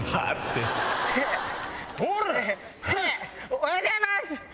おはようございます！